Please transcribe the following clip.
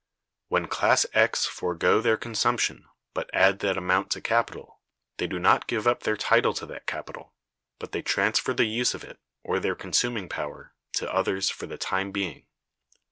When Class X forego their consumption, but add that amount to capital, they do not give up their title to that capital, but they transfer the use of it, or their consuming power, to others for the time being.